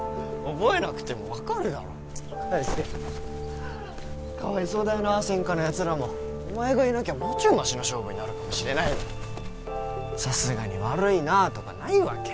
覚えなくても分かるだろ返せよかわいそうだよな専科のヤツらもお前がいなきゃもうちょいマシな勝負になるかもしれないのにさすがに悪いなとかないわけ？